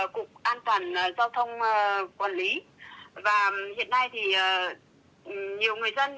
cục an toàn giao thông quản lý và hiện nay thì nhiều người dân